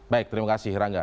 baik terima kasih rangga